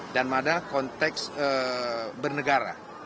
dan mana konteks bernegara